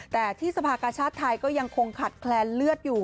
แต่ที่สภากชาติไทยก็ยังคงขัดแคลนเลือดอยู่